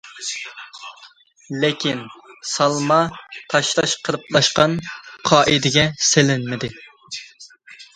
لېكىن سالما تاشلاش قېلىپلاشقان قائىدىگە سېلىنمىدى.